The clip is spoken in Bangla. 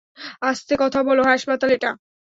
আস্তে কথা বলো, হাসপাতাল এটা!